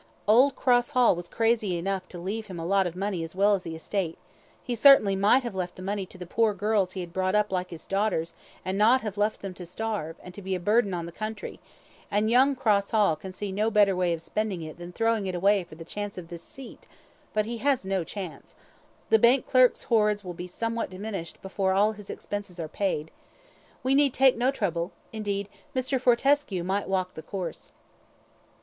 Old Cross Hall was crazy enough to leave him a lot of money as well as the estate; he certainly might have left the money to the poor girls he had brought up like his daughters, and not have left them to starve, and to be a burden on the country; and young Cross Hall can see no better way of spending it than in throwing it away for the chance of this seat but he has no chance. The bank clerk's hoards will be somewhat diminished before all his expenses are paid. We need take no trouble indeed, Mr. Fortescue might walk the course."